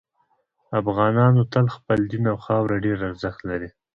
افغانانو ته خپل دین او خاوره ډیر ارزښت لري